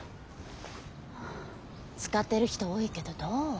使ってる人多いけどどう？